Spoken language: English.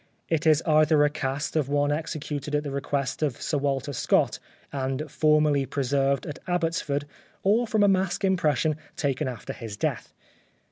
It is either a cast of one executed at the request of Sir Walter Scott, and formerly preserved at Abbotsford, or from a mask impression taken after his death.